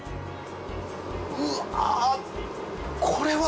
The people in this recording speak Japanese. うわこれは！